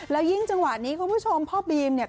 แล้วยิ่งจังหวะนี้คุณผู้ชมพ่อบีมเนี่ย